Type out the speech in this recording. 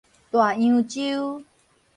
大洋洲